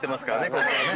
ここがね。